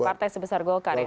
partai sebesar golkar ya